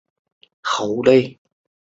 明俊是傅玉之子。